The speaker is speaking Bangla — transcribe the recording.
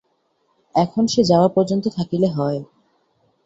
এখন সে যাওয়া পর্যন্ত থাকিলে হয়!